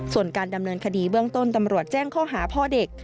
ส่วนการดำเนินคดีเบื้องต้นตำรวจแจ้งข้อหาพ่อเด็ก